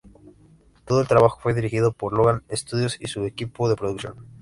Todo el trabajo fue dirigido por Logan Studios y su equipo de producción.